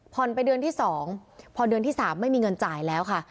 ไปเดือนที่๒พอเดือนที่๓ไม่มีเงินจ่ายแล้วค่ะ